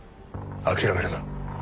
諦めるな。